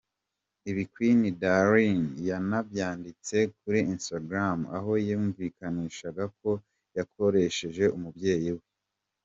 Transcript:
Ibi, Queen Darleen yanabyanditse kuri Instagram aho yumvikanishaga ko yakoshereje umubyeyi we.